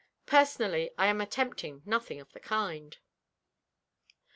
Personally I am attempting nothing of the kind."